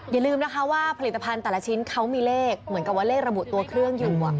อย่าลืมนะคะว่าผลิตภัณฑ์แต่ละชิ้นเขามีเลขเหมือนกับว่าเลขระบุตัวเครื่องอยู่